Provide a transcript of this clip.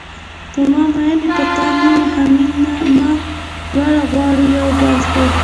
په ما میین یې په تا مینه همیمه دواړه غواړو یو بل خو